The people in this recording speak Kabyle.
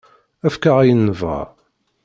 Efk-aɣ ayen nebɣa.